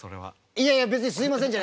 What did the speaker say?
いやいや別に「すいません」じゃない。